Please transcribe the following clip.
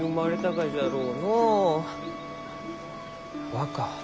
若。